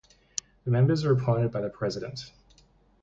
The members are appointed by the president.